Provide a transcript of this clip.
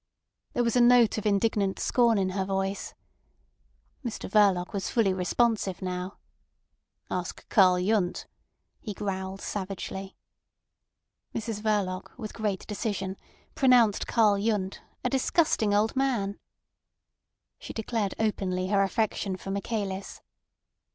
There was a note of indignant scorn in her voice. Mr Verloc was fully responsive now. "Ask Karl Yundt," he growled savagely. Mrs Verloc, with great decision, pronounced Karl Yundt "a disgusting old man." She declared openly her affection for Michaelis.